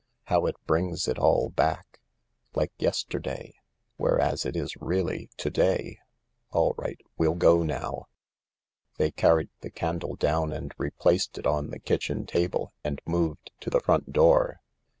How it brings it all back ! Like yesterday. Whereas it is really to day. All right, we'll go now." They carried the candle down and replaced it on the kitchen table and moved to the front door.